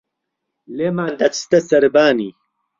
لێمان دەچتە سەربانی